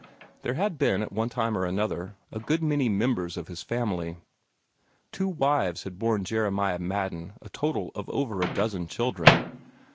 There had been, at one time or another, a good many members of this family. Two wives had borne Jeremiah Madden a total of over a dozen children.